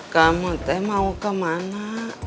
kamu teh mau kemana